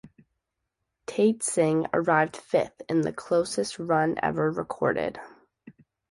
"Taitsing" arrived fifth, in "the closest run ever recorded.